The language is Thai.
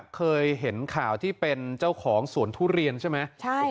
เคยเห็นข่าวที่เป็นเจ้าของสวนทุเรียนใช่ไหม